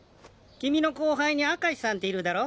君の後輩に明石さんっているだろ。